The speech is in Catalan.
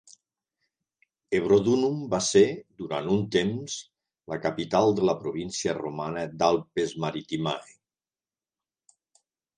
Ebrodunum va ser, durant un temps, la capital de la província romana d'"Alpes Maritimae".